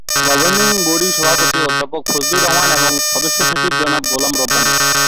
Governing বডির সভাপতি অধ্যাপক ফজলুর রহমান এবং সদস্য সচিব জনাব গোলাম রাব্বানী।